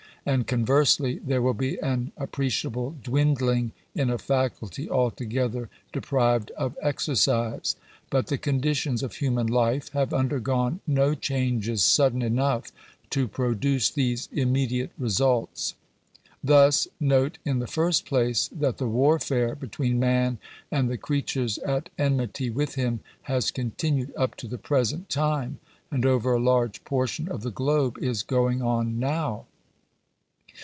And, conversely, there will be an appre ciable dwindling in a faculty altogether deprived of exercise. But the conditions of human life have undergone no changes sudden enough to produce these immediate results. Thus, note in the first place, that the warfare between man and the creatures at enmity with him has continued up to the present time, and over a large portion of the globe is going on now.